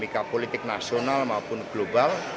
dalam dinamika politik nasional maupun global